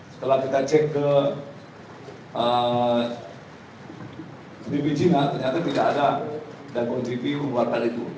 setelah kita cek ke bnp cina ternyata tidak ada dago tv mengeluarkan itu